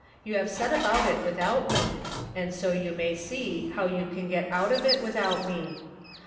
You have set about it without me, and so you may see how you can get out of it without me.